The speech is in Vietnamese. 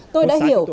tôi đã hiểu